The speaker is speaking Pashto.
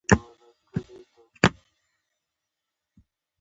نیکه د خپلو ملګرو یادونه کوي.